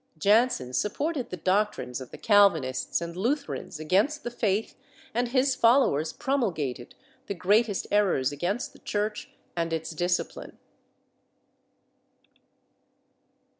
Jansen supported the doctrines of the Calvinists and Lutherans against the faith and his fol lowers promulgated the greatest errors against the Church and its discipline.